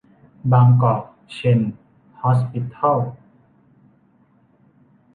บางกอก เชน ฮอสปิทอล